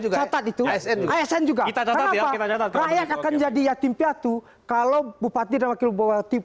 catat itu asn juga catat rakyat akan jadi yatim piatu kalau bupati dan wakil bupati